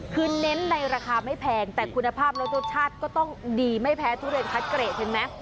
คือเน้นในราคาไม่แพงแต่คุณภาพและรสชาติก็ต้องดีไม่แพ้ทุเรียนคัดเกรดเห็นไหม